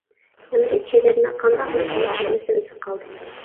ئەمدى چېدىرنى قانداق قىلىپ يېپىش مەسىلىسى قالدى.